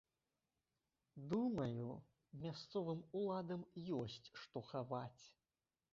Думаю, мясцовым уладам ёсць што хаваць.